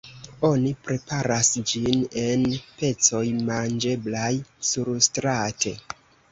Oni preparas ĝin en pecoj manĝeblaj surstrate.